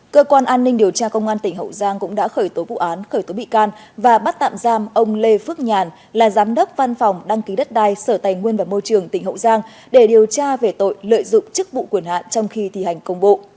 cơ quan an ninh điều tra công an tỉnh hậu giang cũng đã khởi tố vụ án khởi tố bị can và bắt tạm giam ông lê phước nhàn là giám đốc văn phòng đăng ký đất đai sở tài nguyên và môi trường tỉnh hậu giang để điều tra về tội lợi dụng chức vụ quyền hạn trong khi thi hành công bộ